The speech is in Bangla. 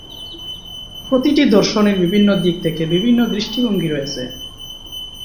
প্রতিটি প্রদর্শনীর বিভিন্ন দিক থেকে বিভিন্ন দৃষ্টিভঙ্গি রয়েছে।